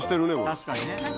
確かにね。